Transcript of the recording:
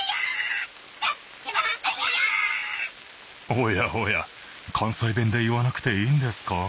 おやおや関西弁で言わなくていいんですか？